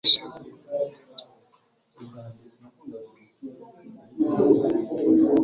bobi! banza urye mwana ubundi uze njye nkujyane ube uruhutse